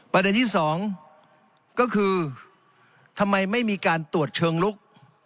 ประเด็นที่สองก็คือทำไมไม่มีการตรวจเชิงลุก